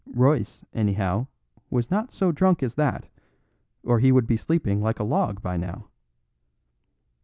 Royce, anyhow, was not so drunk as that, or he would be sleeping like a log by now.